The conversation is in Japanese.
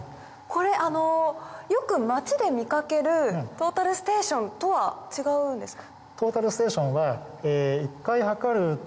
これよく街で見かけるトータルステーションとは違うんですか？